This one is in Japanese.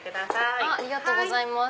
ありがとうございます。